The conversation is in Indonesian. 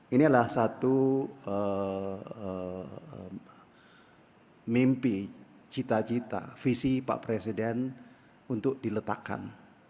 ini adalah satu mimpi cita cita visi pak presiden untuk diletakkan